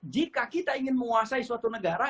jika kita ingin menguasai suatu negara